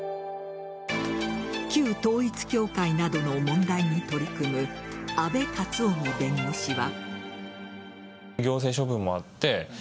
旧統一教会などの問題に取り組む阿部克臣弁護士は。